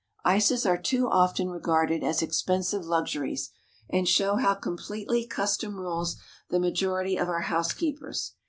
Ices are too often regarded as expensive luxuries, and show how completely custom rules the majority of our housekeepers.